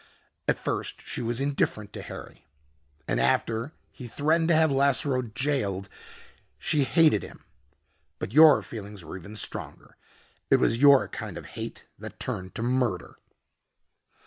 At first she was indifferent to Harry. And after he threatened to have Lasseroe jailed, she hated him. But your feelings were even stronger. It was your kind of hate that turned to murder."